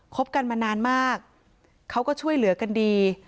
บกันมานานมากเขาก็ช่วยเหลือกันดี